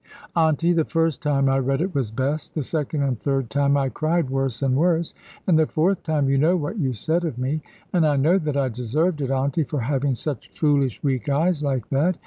"Auntie, the first time I read it was best. The second and third time, I cried worse and worse; and the fourth time, you know what you said of me. And I know that I deserved it, Auntie, for having such foolish weak eyes like that.